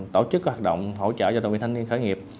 tổ chức hoạt động hỗ trợ cho đoàn viên thanh niên khởi nghiệp